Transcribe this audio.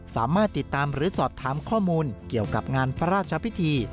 สามารถติดตามหรือสอบถามข้อมูลเกี่ยวกับงานพระราชพิธี